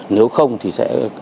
nếu không thì sẽ